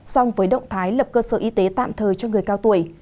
song với động thái lập cơ sở y tế tạm thời cho người cao tuổi